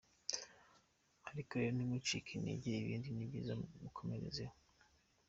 Ariko rero ntimucike intege ibindi ni byiza mukomerezeho.